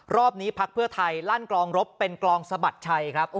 รอบนี้พักเพื่อไทยลั่นกลองรบเป็นกลองสะบัดชัยครับ